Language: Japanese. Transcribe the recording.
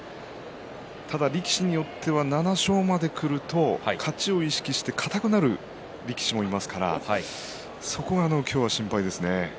力士は７勝目までくると勝ちを意識して硬くなる力士もいますからそこは今日、心配ですね。